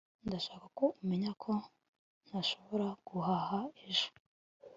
ndashaka ko umenya ko ntashobora kuhaba ejo